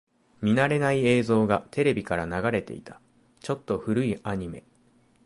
見慣れない映像がテレビから流れていた。ちょっと古いアニメ。